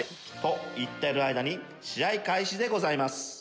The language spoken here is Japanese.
と言ってる間に試合開始でございます。